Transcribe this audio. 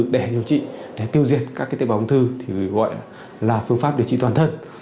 để điều trị để tiêu diệt các tế bào ung thư thì gọi là phương pháp điều trị toàn thân